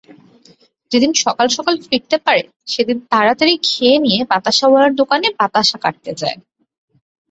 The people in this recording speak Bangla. যেদিন সকাল সকাল ফিরতে পারে সেদিন তাড়াতাড়ি খেয়ে নিয়ে বাতাসাওয়ালার দোকানে বাতাসা কাটতে যায়।